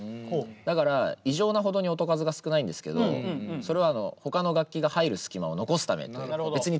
だから異常なほどに音数が少ないんですけどそれはほかの楽器が入る隙間を残すためという。